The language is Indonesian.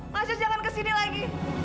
mas yus jangan kesini lagi